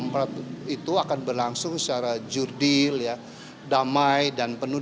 memastikan bahwa yang dimaksud dengan cawe cawe adalah bukan berat sebelah ya